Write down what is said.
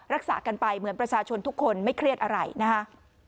รักษากันไปเหมือนประชาชนทุกคนไม่เครียดอะไรนะคะ